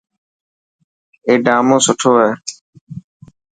اي ڊامون سٺو هي.